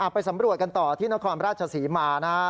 ไปสำรวจกันต่อที่นครราชศรีมานะครับ